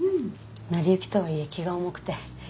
成り行きとはいえ気が重くて。